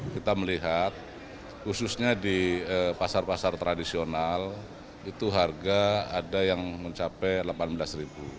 kita melihat khususnya di pasar pasar tradisional itu harga ada yang mencapai rp delapan belas